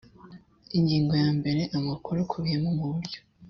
ingingo ya mbere amakuru akubiye muburyo